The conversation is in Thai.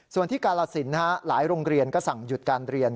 ส่วนที่กาลสินหลายโรงเรียนก็สั่งหยุดการเรียน